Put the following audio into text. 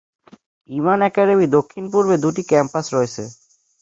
ইমান academy দক্ষিণপূর্বে দুটি ক্যাম্পাস রয়েছে।